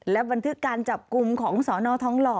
และบันทึกการจับกลุ่มของสนทองหล่อ